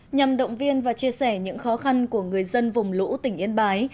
nhằm động viên và chia sẻ những khó khăn của người dân vùng lũ tỉnh yên bái